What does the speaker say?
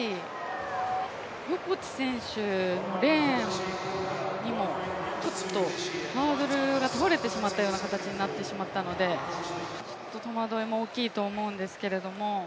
横地選手のレーンにもちょっとハードルが倒れてしまったような形になったので戸惑いも大きいと思うんですけれども。